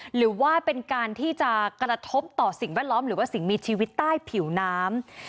หรือว่าเป็นการที่จะกระทบต่อสิ่งแวดล้อมหรือว่าสิ่งมีชีวิตใต้ผิวน้ำ